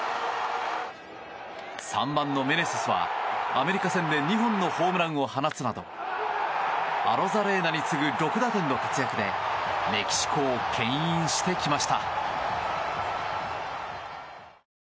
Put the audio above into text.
３番のメネセスは、アメリカ戦で２本のホームランを放つなどアロザレーナに次ぐ６打点の活躍でメキシコを牽引してきました。